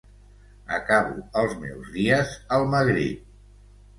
Acabo els meus dies al Magrib.